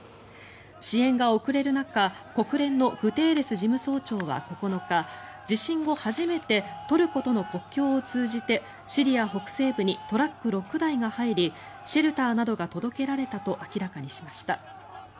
支援が遅れる中国連のグテーレス事務総長は９日、地震後初めてトルコとの国境を通じてシリア北西部にトラック６台が入りシェルターなどが届けられたと明らかにしました。